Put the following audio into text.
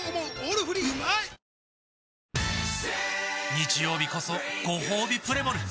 日曜日こそごほうびプレモル！